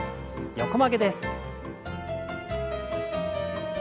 横曲げです。